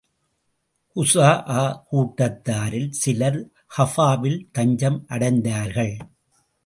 குஸாஅ கூட்டத்தாரில் சிலர் கஃபாவில் தஞ்சம் அடைந்தார்கள்.